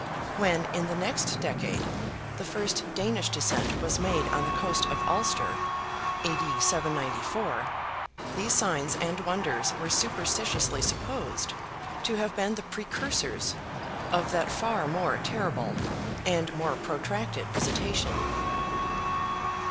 When, in the next decade, the first Danish descent was made on the coast of Ulster (A.D. 794), these signs and wonders were superstitiously supposed to have been the precursors of that far more terrible and more protracted visitation.